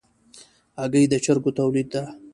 هګۍ د چرګو تولید ده.